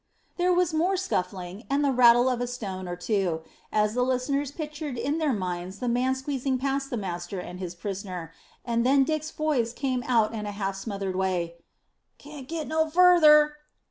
There was more scuffling, and the rattle of a stone or two, as the listeners pictured in their own minds the man squeezing past the master and his prisoner, and then Dick's voice came out in a half smothered way: "Can't get no farther.